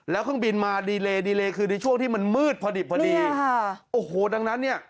แล้วเครื่องบินมาดีเลดีเลคือในช่วงที่มันมืดพอดิบพอดีค่ะโอ้โหดังนั้นเนี่ย